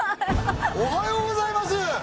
おはようございます！